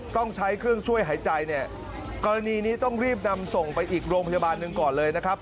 ต้องใช้เครื่องช่วยหายใจเนี่ยกรณีนี้ต้องรีบนำส่งไปอีกโรงพยาบาลหนึ่งก่อนเลยนะครับ